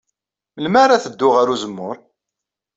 Melmi ara teddu ɣer uzemmur?